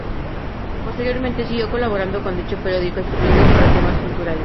Posteriormente siguió colaborando con dicho periódico, escribiendo sobre temas culturales.